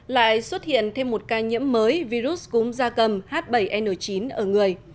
lại xuất hiện thêm một ca nhiễm mới virus cúm da cầm h bảy n chín ở người